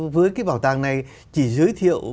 với cái bảo tàng này chỉ giới thiệu